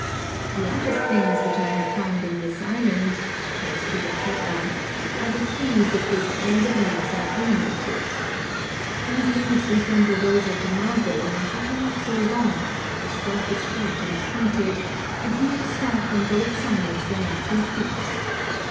"The oddest things which I have found in this island," says Pigafetta, "are the trees of which all the leaves are animated. These leaves resemble those of the mulberry, but are not so long; the stalk is short and pointed, and near the stalk on both sides there are two feet.